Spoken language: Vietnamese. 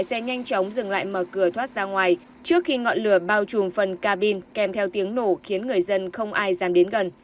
xe nhanh chóng dừng lại mở cửa thoát ra ngoài trước khi ngọn lửa bao trùm phần ca bin kèm theo tiếng nổ khiến người dân không ai dám đến gần